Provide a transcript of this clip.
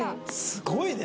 すごいね。